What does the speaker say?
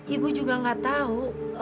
ibu juga gak tahu